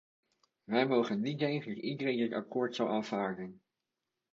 Wij mogen niet denken dat iedereen dit akkoord zal aanvaarden.